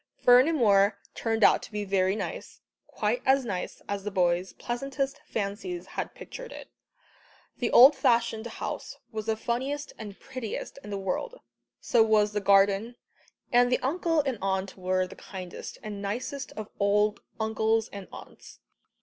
Fernimoor turned out to be very nice, quite as nice as the boys' pleasantest fancies had pictured it. The old fashioned house was the funniest and prettiest in the world, so was the garden, and the uncle and aunt were the kindest and nicest of old uncles and aunts.